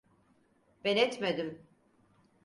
Ben etmedim.